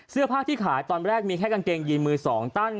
เสื้อผ้าที่ขายตอนแรกมีแค่กางเกงยีนมือสองตั้น